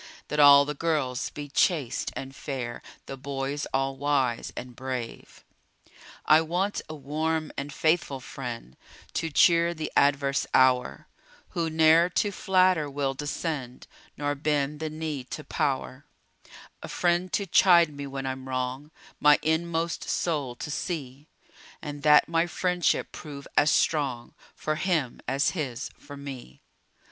That all the girls be chaste and fair, The boys all wise and brave. I want a warm and faithful friend, To cheer the adverse hour, Who ne'er to flatter will descend, Nor bend the knee to power, A friend to chide me when I'm wrong, My inmost soul to see; And that my friendship prove as strong For him as his for me.